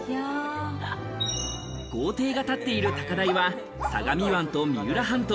豪邸が立っている高台は相模湾と三浦半島。